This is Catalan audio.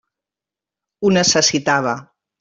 Ho necessitava.